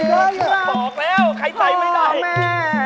บอกแล้วใครใส่ไม่ได้